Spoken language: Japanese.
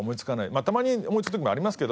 まあたまに思いつく時もありますけど。